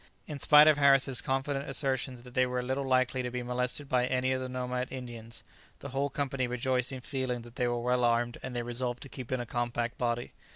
] In spite of Harris's confident assertion that they were little likely to be molested by any of the nomad Indians, the whole company rejoiced in feeling that they were well armed, and they resolved to keep in a compact body.